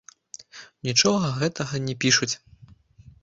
Нічога гэтага не пішуць.